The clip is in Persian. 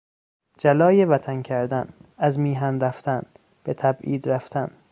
جلای وطن کردن، از میهن رفتن، به تبعید رفتن